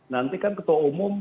nanti kan ketua umum